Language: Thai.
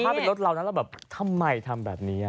ถ้าเป็นรถเรานะเราแบบทำไมทำแบบนี้